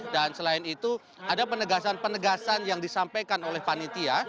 dan selain itu ada penegasan penegasan yang disampaikan oleh panitia